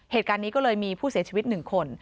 เหตุการณ์นี้ก็เลยมีผู้เสียชีวิต๑คน